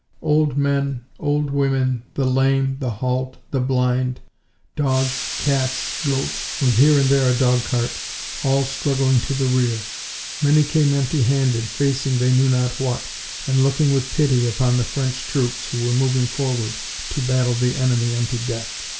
Old men, old women, the lame, the halt, the blind; dogs, cats, goats, with here and there a dogcart, all struggling to the rear. Many came empty handed, facing they knew not what, and looking with pity upon the French troops who were moving forward to battle the enemy unto death.